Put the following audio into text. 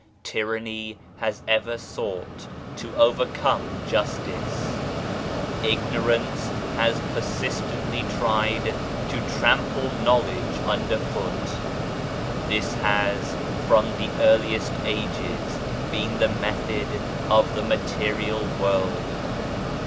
Tyranny has ever sought to overcome Justice. Ignorance has persistently tried to trample knowledge underfoot. This has, from the earliest ages, been the method of the Material World.